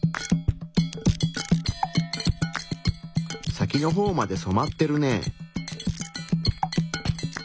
先のほうまで染まってるね。